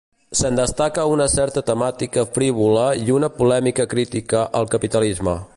Se'n destaca una certa temàtica frívola i una polèmica crítica al capitalisme.